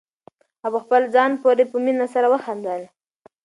هغه په خپل ځان پورې په مینه سره وخندل.